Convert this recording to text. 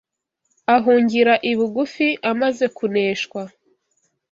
ahungira i Bugufi amaze kuneshwa